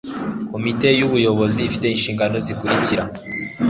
Komite y Ubuyobozi ifite inshingano zikurikira